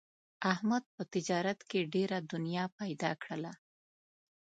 احمد په تجارت کې ډېره دنیا پیدا کړله.